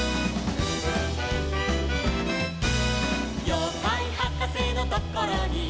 「ようかいはかせのところに」